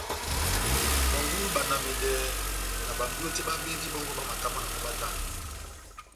Nɔngɔhɔ ibandamedɛ na bámbwiyo tɛ́h bábevi bɔ́ngɔ bamatamwananɔ batanɛ.